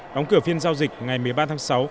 đóng cửa phiên giao dịch ngày một mươi ba tháng sáu